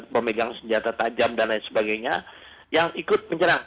pemegang senjata tajam dan lain sebagainya yang ikut menyerang